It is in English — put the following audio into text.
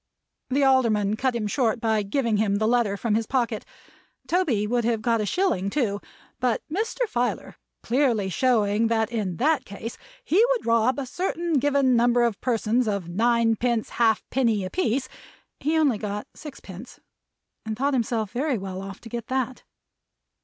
The Alderman cut him short by giving him the letter from his pocket. Toby would have got a shilling too; but Mr. Filer clearly showing that in that case he would rob a certain given number of persons of ninepence half penny a piece, he only got sixpence; and thought himself very well off to get that.